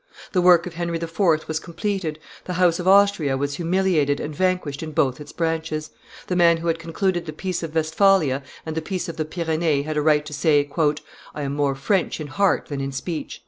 The work of Henry IV. was completed, the house of Austria was humiliated and vanquished in both its branches; the man who had concluded the peace of Westphalia and the peace of the Pyrenees had a right to say, "I am more French in heart than in speech."